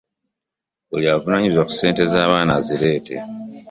Buli avunaanyizibwa ku ssente z'abaana azireete.